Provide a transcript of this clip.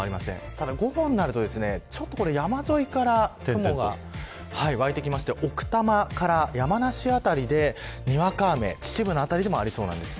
ただ午後になると山沿いから雲が湧いてきまして奥多摩から山梨辺りでにわか雨秩父の辺りでもありそうです。